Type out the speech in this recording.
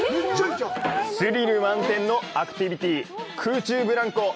スリル満点のアクティビティ空中ブランコ。